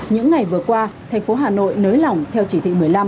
những ngày vừa qua thành phố hà nội nới lỏng theo chỉ thị một mươi năm